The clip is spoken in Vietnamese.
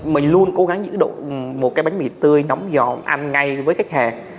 mình luôn cố gắng giữ được một cái bánh mì tươi nóng giòn ăn ngay với khách hàng